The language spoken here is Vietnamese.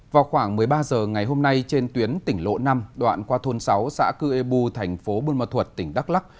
vào khoảng một mươi ba h ngày hôm nay trên tuyến tỉnh lộ năm đoạn qua thôn sáu xã cư ê bu thành phố buôn ma thuật tỉnh đắk lắc